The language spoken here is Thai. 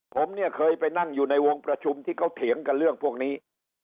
ผมเนี่ยเคยไปนั่งอยู่ในวงประชุมที่เขาเถียงกันเรื่องพวกนี้